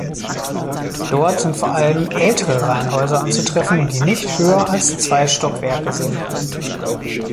Dort sind vor allem ältere Reihenhäuser anzutreffen, die nicht höher als zwei Stockwerke sind.